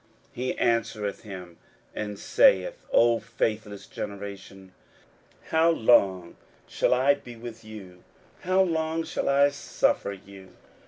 41:009:019 He answereth him, and saith, O faithless generation, how long shall I be with you? how long shall I suffer you?